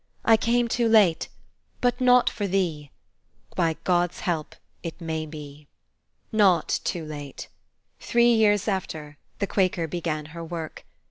I came too late; but not for thee, by God's help, it may be." Not too late. Three years after, the Quaker began her work.